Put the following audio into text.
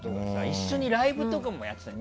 一緒にライブとかもやってた。